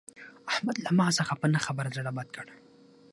احمد له ما څخه په نه خبره زړه بد کړ.